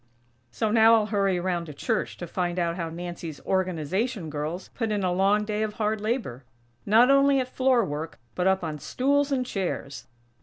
So now I'll hurry around to church to find out how Nancy's Organization girls put in a long day of hard labor; not only at floor work, but up on stools and chairs.